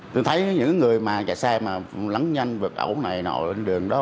tôi thấy những người mà chạy xe mà lắng nhanh vật ẩu này nọ lên đường đó